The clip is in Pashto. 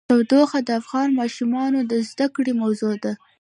تودوخه د افغان ماشومانو د زده کړې موضوع ده.